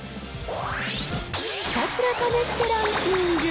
ひたすら試してランキング。